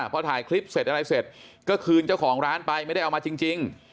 พอถ่ายคลิปเสร็จอะไรเสร็จก็คืนเจ้าของร้านไปไม่ได้เอามาจริง